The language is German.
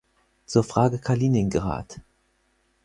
Zur Frage Kaliningrad.